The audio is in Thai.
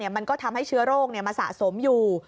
มันก็ทำให้เชื้อโรคมาสะสมอยู่